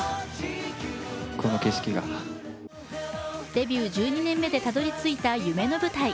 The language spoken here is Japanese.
デビュー１２年目でたどり着いた夢の舞台。